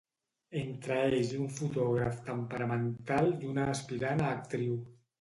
Entre ells un fotògraf temperamental i una aspirant a actriu.